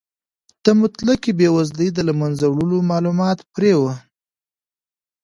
د مطلقې بې وزلۍ د له منځه وړلو مالومات پرې و.